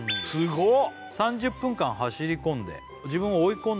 すごっ！